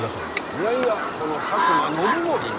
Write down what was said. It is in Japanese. いやいやこの佐久間信盛に。